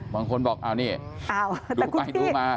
บางคนบอกอ้าวนี่ดูไปดูมา